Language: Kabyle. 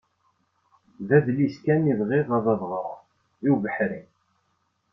D adlis kan i bɣiɣ ad ɣreɣ i ubeḥri.